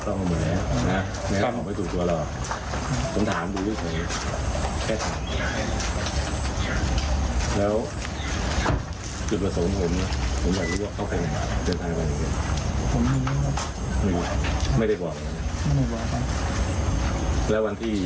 คุณมาไฟวนที่๑๙นาที